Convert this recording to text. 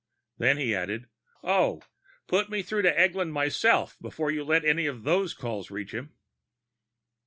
Then he added, "Oh, put me through to Eglin myself before you let any of those calls reach him."